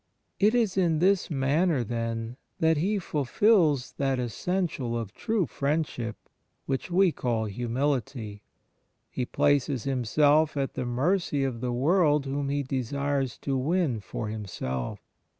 It is in this maimer, then, that He fulfils that essen tial of true Friendship, which we call Hiunility. He places Himself at the mercy of the world whom He desires to win for Himself.